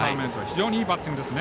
非常にいいバッティングです。